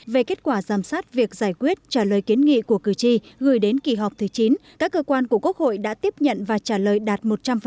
về kết quả giám sát việc giải quyết trả lời kiến nghị của cử tri gửi đến kỳ họp thứ chín các cơ quan của quốc hội đã tiếp nhận và trả lời đạt một trăm linh